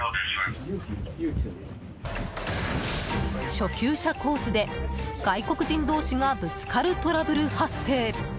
初級者コースで外国人同士がぶつかるトラブル発生。